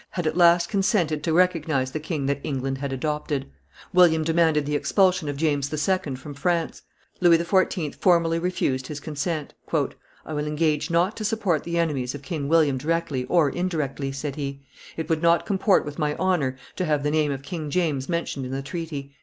had at last consented to recognize the king that England had adopted; William demanded the expulsion of James II. from France; Louis XIV. formally refused his consent. "I will engage not to support the enemies of King William directly or indirectly," said he: "it would not comport with my honor to have the name of King James mentioned in the treaty."